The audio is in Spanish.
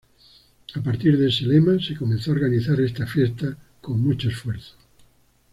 A partir de ese lema se comenzó a organizar esta fiesta, con mucho esfuerzo.